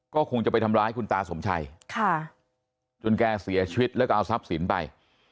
ก็คงจะไปทำร้ายคุณตาสมชัยจนแกเสียชีวิตแล้วก็เอาทรัพย์สินไป